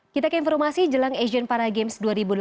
kita ke informasi jelang asian para games dua ribu delapan belas